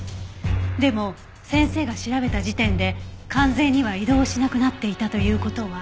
でも先生が調べた時点で完全には移動しなくなっていたという事は。